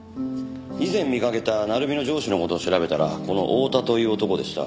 以前見かけた鳴海の上司の事を調べたらこの太田という男でした。